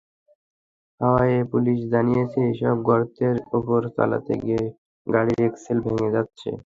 Highway police জানিয়েছে, এসব গর্তের ওপর চলতে গিয়ে গাড়ির এক্সেল ভেঙে যাচ্ছে।